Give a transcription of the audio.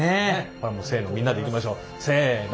これはもうせのみんなでいきましょうせの。